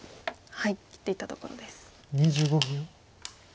切っていったところです。